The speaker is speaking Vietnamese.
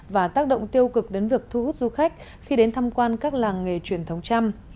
và tác động tiêu cực đến việc thu hút du khách khi đến thăm quan các làng nghề truyền thống trăm